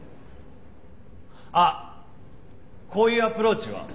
あっこういうアプローチは？